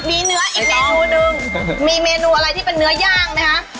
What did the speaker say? มีเนื้ออีกเมนูนึงมีเมนูอะไรที่เป็นเนื้อย่างนะคะ